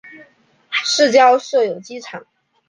市郊设有机场。